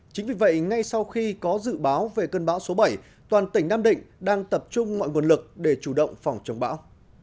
chính vì vậy ngay sau khi có dự báo về cơn bão số bảy toàn tỉnh nam định đang tập trung mọi nguồn lực để chủ động phòng chống bão